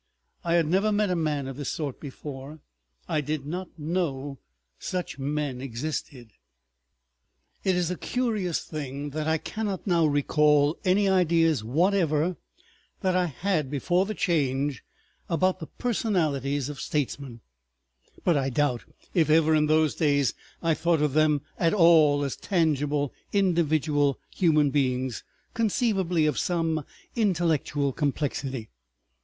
I had never met a man of this sort before; I did not know such men existed. ... It is a curious thing, that I cannot now recall any ideas whatever that I had before the Change about the personalities of statesmen, but I doubt if ever in those days I thought of them at all as tangible individual human beings, conceivably of some intellectual complexity.